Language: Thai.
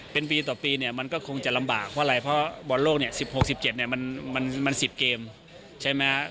เป็นปีต่อปีเนี่ยมันก็คงจะลำบากเพราะอะไรเพราะบอลโลกเนี่ย๑๖๑๗เนี่ยมัน๑๐เกมใช่ไหม